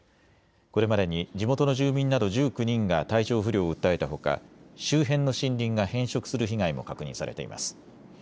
これまでに地元の住民など１９人が体調不良を訴えたほか周辺の森林が変色する被害も確認されています。